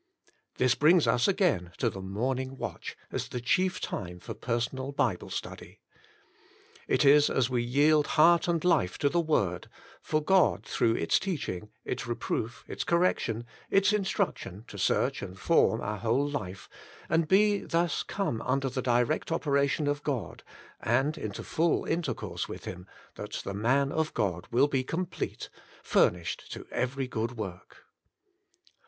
This brings us again to the morning watch as the chief time for personal Bible study. It is as we yield heart and life to the Word, for God through its teaching, its reproof, its correc tion, its instruction to search and form our whole life, and be thus come under the direct operation of God, and into full intercourse with Him, that the Man of God Will be Complete — furnished to every good work.